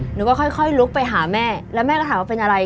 หนูก็ค่อยลุกไปหาแม่แล้วแม่ก็ถามว่าเป็นอะไร